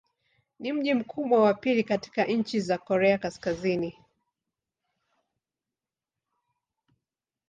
Ni mji mkubwa wa pili katika nchi wa Korea Kaskazini.